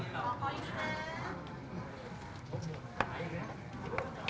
ขอขอบคุณหน่อยนะคะ